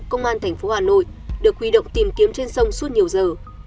công an tp hà nội được huy động tìm kiếm trên sông suốt nhiều giờ